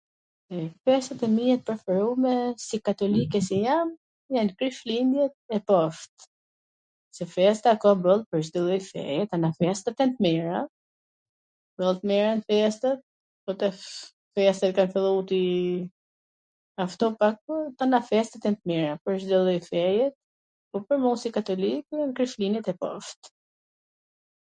Festat e mia t preferume si katolike qw jam, jan Krishtlindjet dhe Pashkwt, se festa ka boll pwr Cdo lloj feje, festat jan t mira, jan t mira festat, po tash festat kan fillu tuj na ftoh pak po te na festat jan t mira. Pwr Cdo lloj feje, por pwr mu si katolike, Krishtlindjet e Pashkt ...